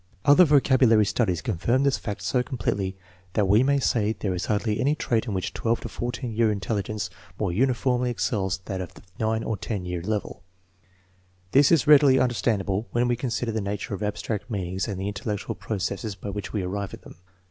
Other vocabulary studies confirm this fact so completely that we may say there is hardly any trait in which 12 to 14 year intelligence more uniformly excels that of the 9 or 10 year level. This is readily understandable when we consider the nature of abstract meanings and the intellectual processes by which we arrive at them.